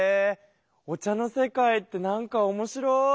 お茶の世界ってなんかおもしろい！